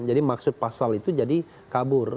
jadi maksud pasal itu jadi kabur